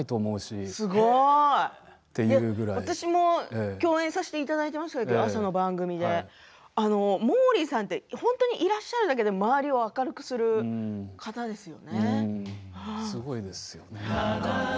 私も朝の番組で共演させていただきましたがモーリーさんって本当にいらっしゃるだけで周りを明るくする方ですよね。